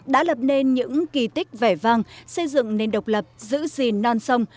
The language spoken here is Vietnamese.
đã lập nên những kỳ tích vẻ vang xây dựng nền độc lập giữ gìn non sông